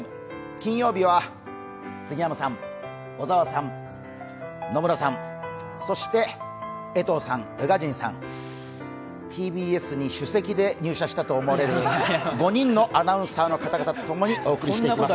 金曜日は杉山さん、小沢さん、野村さん、そして江藤さん、宇賀神さん、ＴＢＳに首席で入社したと思われる、５人のアナウンサーの方々と共にお送りします。